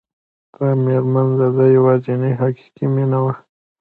دا مېرمن د ده يوازېنۍ حقيقي مينه وه.